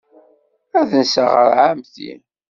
Ad nseɣ ɣer ɛemmti.